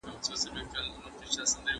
نه خيام سته د توبو د ماتولو